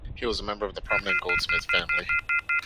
He was a member the prominent Goldsmith family.